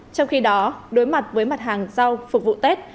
trong khi đó đối mặt với mặt hàng rau phục vụ tết